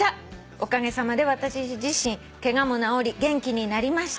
「おかげさまで私自身ケガも治り元気になりました」